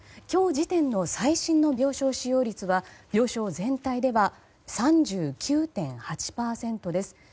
今日時点の最新の病床使用率は病床全体では３９．８％です。